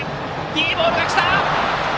いいボールが来た！